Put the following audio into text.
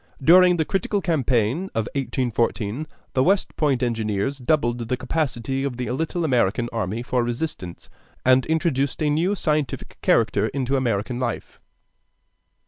During the critical campaign of 1814, the West Point engineers doubled the capacity of the little American army for resistance, and introduced a new and scientific character into American life.